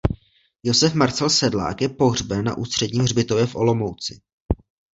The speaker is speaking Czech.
Josef Marcel Sedlák je pohřben na Ústředním hřbitově v Olomouci.